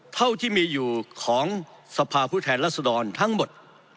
เท่าที่มีอยู่ของสภาพผู้แทนรัศดรทั้งหมด